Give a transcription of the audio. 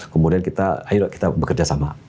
kemudian kita bekerja sama